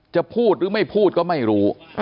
จะพูดหรือไม่พูดก็ไม่รู้